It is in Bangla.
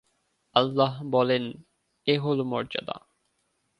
আল্লাহ বললেন, এ হল মর্যাদা।